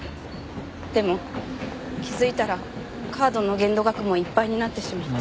でも気づいたらカードの限度額もいっぱいになってしまって。